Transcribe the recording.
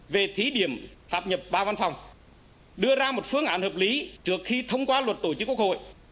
về thí điểm sắp nhập ba văn phòng đưa ra một phương án hợp lý trước khi thông qua luật tổ chức quốc hội